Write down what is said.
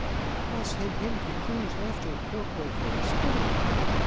I'll send him to cruise after Corporal Van Spitter.